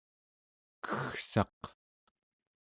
keggsaq